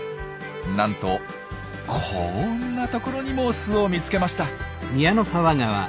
なんとこんな所にも巣を見つけました。